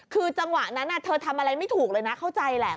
คือจังหวะนั้นเธอทำอะไรไม่ถูกเลยนะเข้าใจแหละ